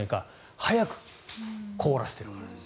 速く凍らせているから。